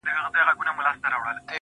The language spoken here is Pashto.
زما د ښار ځوان,